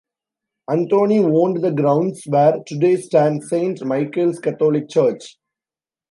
Anthony owned the grounds where today stand Saint Michael's Catholic Church.